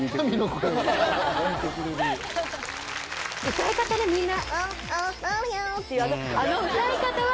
歌い方ねみんな。